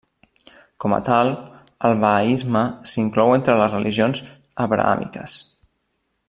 Com a tal, el bahaisme s'inclou entre les religions abrahàmiques.